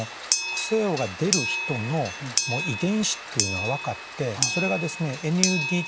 副作用が出る人の遺伝子っていうのが分かってそれがですね